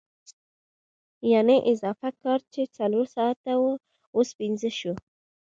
یانې اضافي کار چې څلور ساعته وو اوس پنځه شو